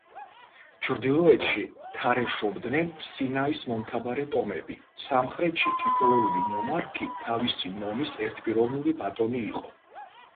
ჩრდილოეთში თარეშობდნენ სინაის მომთაბარე ტომები, სამხრეთში თითოეული ნომარქი თავისი ნომის ერთპიროვნული ბატონი იყო.